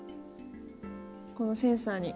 このセンサーに。